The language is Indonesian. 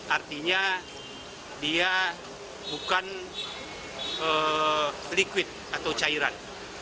artinya dia bukan liquid atau cairan